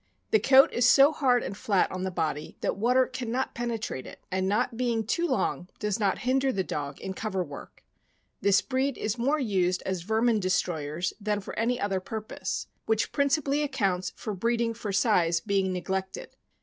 The coat is so hard and flat on the body that water can not penetrate it, and not being too long, does not hinder the dog in cover work. This breed is more used as vermin destroyers than for any other purpose, which principally accounts for breeding for size being teglected.